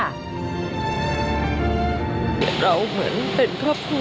เราเหมือนเป็นครอบครัว